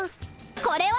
これは？